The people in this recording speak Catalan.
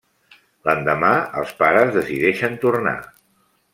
L'endemà, els pares decideixen tornar.